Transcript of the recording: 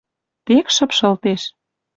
Тек шыпшылтеш